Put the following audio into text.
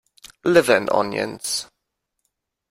Liver and onions.